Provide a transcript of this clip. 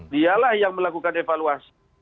dialah yang melakukan evaluasi